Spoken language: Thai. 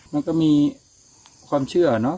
มันก็มีความเชื่อเนอะ